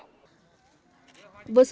với sự tuân thủ